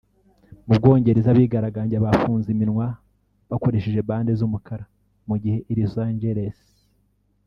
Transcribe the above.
Mu Bwongereza abigaragambya bafunze iminwa bakoreshe Bande z’umukara mu gihe i Los Angeles